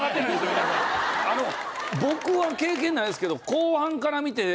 僕は経験ないですけど。